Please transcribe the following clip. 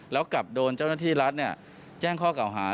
แล้วกลับโดนเจ้าหน้าที่รัฐแจ้งข้อเก่าหา